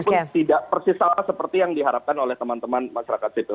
meskipun tidak persis sama seperti yang diharapkan oleh teman teman masyarakat sipil